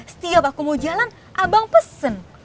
setiap aku mau jalan abang pesen